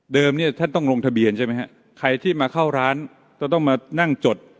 เนี่ยท่านต้องลงทะเบียนใช่ไหมฮะใครที่มาเข้าร้านจะต้องมานั่งจด